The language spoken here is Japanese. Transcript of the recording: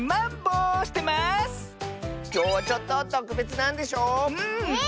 きょうはちょっととくべつなんでしょ？え？